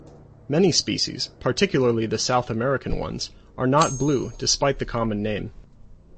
Many species, particularly the South American ones, are not blue, despite the common name.